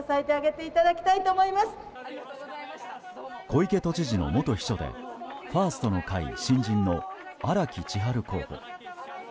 小池都知事の元秘書でファーストの会新人の荒木千陽候補。